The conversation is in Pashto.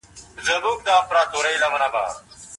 زه به د فولکلور په پېچ او خم کي تللم.